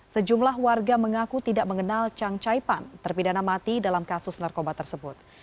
sejumlah warga mengaku tidak mengenal chang caipan terpidana mati dalam kasus narkoba tersebut